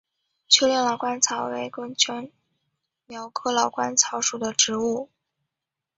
丘陵老鹳草为牻牛儿苗科老鹳草属的植物。